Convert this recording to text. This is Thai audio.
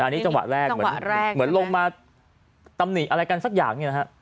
อันนี้จังหวะแรกเหมือนลงมาตำหนิอะไรกันสักอย่างเนี่ยนะฮะ